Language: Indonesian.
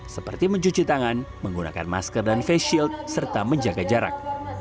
seperti mencuci tangan menggunakan masker dan face shield serta menjaga jarak